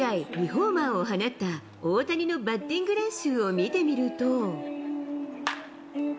２ホーマーを放った大谷のバッティング練習を見てみると。